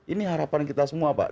ini harapan kita semua pak